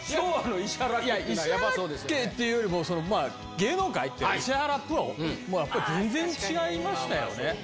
石原家っていうよりも、芸能界、石原プロは、やっぱり全然違いましたよね。